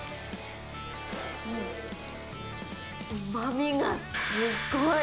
うまみがすっごい。